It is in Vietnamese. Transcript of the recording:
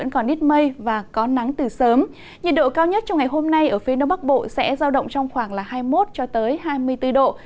nhiệt độ cao nhất trong ngày hôm nay ở phía đông bắc bộ sẽ giao động trong khoảng hai mươi một hai mươi bốn độ